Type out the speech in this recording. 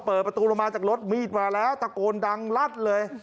เปิดประตูลงมาจากรถมีดมาแล้วตะโกนดังลัดเลย